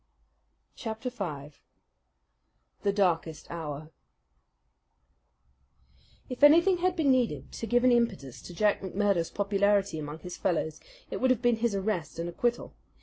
Chapter 5 The Darkest Hour If anything had been needed to give an impetus to Jack McMurdo's popularity among his fellows it would have been his arrest and acquittal.